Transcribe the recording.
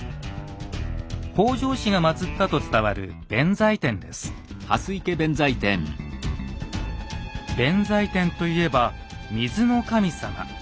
北条氏が祭ったと伝わる弁財天といえば水の神様。